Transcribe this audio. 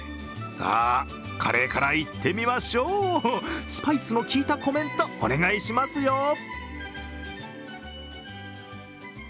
さあ、カレーからいってみましょうスパイスの利いたコメントお願いしますよ。